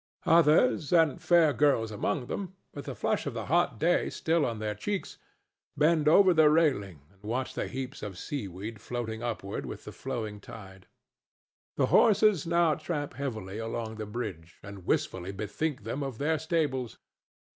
Others, and fair girls among them, with the flush of the hot day still on their cheeks, bend over the railing and watch the heaps of seaweed floating upward with the flowing tide. The horses now tramp heavily along the bridge and wistfully bethink them of their stables.